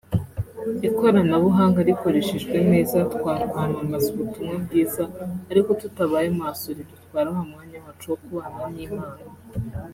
Ikoranabuhanga rikoreshejwe neza twakwamamaza ubutumwa bwiza ariko tutabaye maso ridutwara wa mwanya wacu wo kubana n’Imana